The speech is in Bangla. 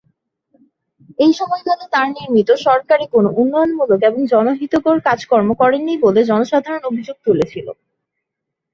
এই সময়কালে তার নির্মিত সরকারে কোনো উন্নয়নমূলক এবং জনহিতকর কাজ কর্ম করেননি বলে জনসাধারণ অভিযোগ তুলেছিল।